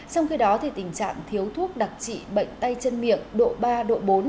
trong khi đó tình trạng thiếu thuốc đặc trị bệnh tay chân miệng độ ba độ bốn